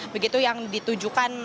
begitu yang ditujukan